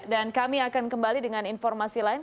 dan kami akan kembali dengan informasi lain